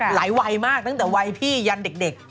วัยมากตั้งแต่วัยพี่ยันเด็ก